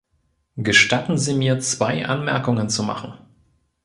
Gestatten Sie mir, zwei Anmerkungen zu machen.